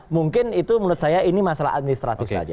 mungkin itu menurut saya ini masalah administratif saja